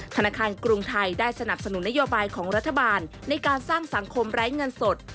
ธนาคารกรุงไทยได้สนับสนุนนโยบายของรัฐบาลในการสร้างสังคมไร้เงินสด